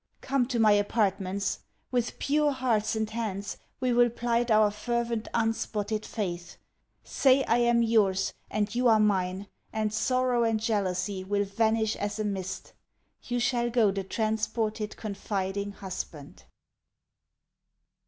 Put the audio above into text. Come to my apartments. With pure hearts and hands, we will plight our fervent unspotted faith. Say I am your's, and you are mine, and sorrow and jealousy will vanish as a mist. You shall go the transported confiding husband.